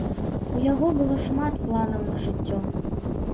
У яго было шмат планаў на жыццё.